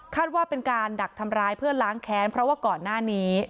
ว่าเป็นการดักทำร้ายเพื่อล้างแค้นเพราะว่าก่อนหน้านี้